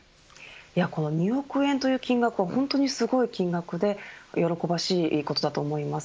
２億円という金額は本当にすごい金額で喜ばしいことだと思います。